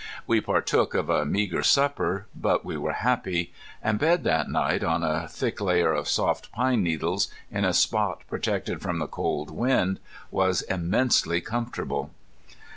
We partook of a meagre supper, but we were happy. And bed that night on a thick layer of soft pine needles, in a spot protected from the cold wind, was immensely comfortable.